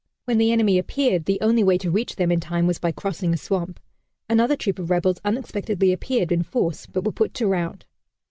When the enemy appeared the only way to reach them in time was by crossing a swamp. Another troop of rebels unexpectedly appeared in force, but were put to rout.